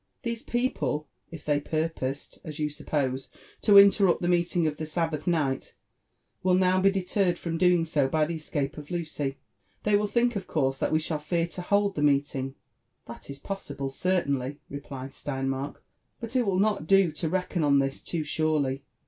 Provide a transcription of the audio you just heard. These people, if they purposed, as you suppose, to interrupt the meeting of the Sabbath night, will now be deterred from doing so by the escape of Lucy. They will think, of course, that we shall fear to hold the, meeting." '' That is possible, certainly," replied Sleinmark; *' but it will not. do to reckon on this too surely.